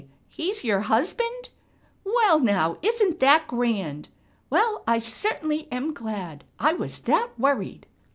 He's your husband! Well, now isn't that grand! Well, I certainly am glad! I was that worried